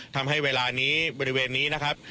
ทำให้เวลานี้บริเวณนี้นะครับ